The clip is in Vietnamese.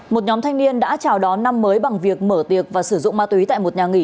một nhóm thanh niên đã chào đón năm mới bằng việc mở tiệc và sử dụng ma túy tại một nhà nghỉ